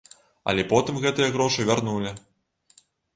Але потым гэтыя грошы вярнулі.